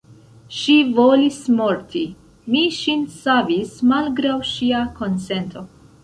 Ŝi volis morti: mi ŝin savis malgraŭ ŝia konsento.